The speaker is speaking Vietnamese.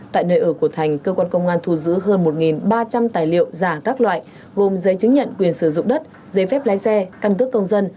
tại nơi ở của thành cơ quan công an thu giữ hơn một ba trăm linh tài liệu giả các loại gồm giấy chứng nhận quyền sử dụng đất giấy phép lái xe căn cước công dân